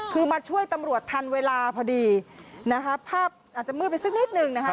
คือมาช่วยตำรวจทันเวลาพอดีนะคะภาพอาจจะมืดไปสักนิดนึงนะคะ